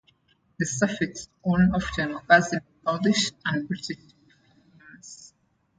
The suffix -"on"- often occurs in Gaulish and British divine names.